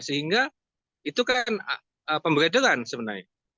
sehingga itu kan pemberedelan sebenarnya